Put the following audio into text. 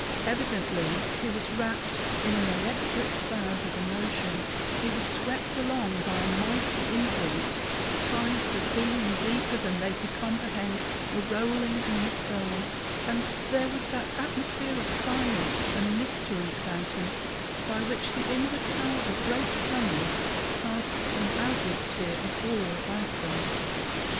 Evidently he was wrapped in an electric cloud of emotion; he was swept along by a mighty influence tides of feeling deeper than they could comprehend were rolling in his soul, and there was that atmosphere of silence and mystery about him by which the inward power of great souls casts an outward sphere of awe about them.